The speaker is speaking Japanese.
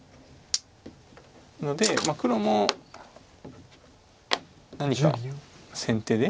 ので黒も何か先手で。